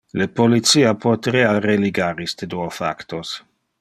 Le policia poterea religar iste duo factos.